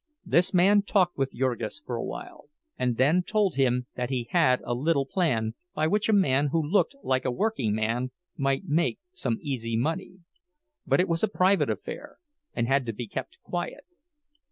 This man talked with Jurgis for a while, and then told him that he had a little plan by which a man who looked like a workingman might make some easy money; but it was a private affair, and had to be kept quiet.